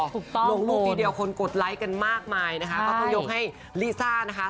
ถูกต้องลงรูปทีเดียวคนกดไลค์กันมากมายนะคะก็ต้องยกให้ลิซ่านะคะ